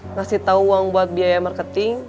ngasih tahu uang buat biaya marketing